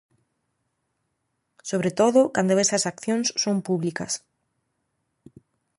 Sobre todo, cando esas accións son públicas.